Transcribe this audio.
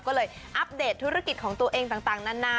ก็เลยอัปเดตธุรกิจของตัวเองต่างนานา